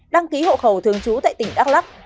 đăng ký hộ khẩu thường trú tại tp hcm